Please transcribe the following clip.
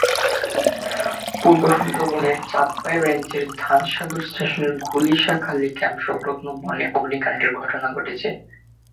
পূর্ব সুন্দরবনের চাঁদপাই রেঞ্জের ধানসাগর স্টেশনের ঘুলিসাখালী ক্যাম্পসংলগ্ন বনে অগ্নিকাণ্ডের ঘটনা ঘটেছে।